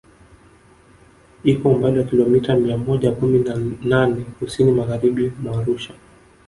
Iko umbali wa kilomita mia moja kumi na nane Kusini Magharibi mwa Arusha